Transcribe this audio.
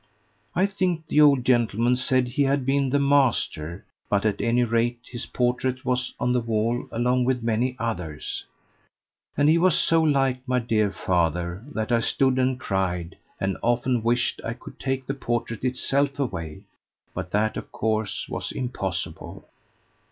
I think the old gentleman said he had been the 'master;' but at any rate his portrait was on the wall along with many others, and he was so like my dear father that I stood and cried, and often wished I could take the portrait itself away, but that of course was impossible."